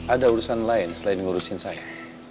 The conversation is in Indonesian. ada urusan lain selain ngurusin saya